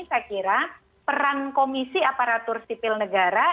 saya kira peran komisi aparatur sipil negara